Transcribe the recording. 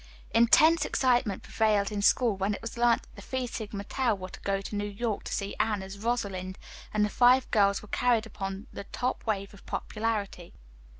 Intense excitement prevailed in school when it was learned that the Phi Sigma Tau were to go to New York to see Anne as "Rosalind," and the five girls were carried upon the top wave of popularity.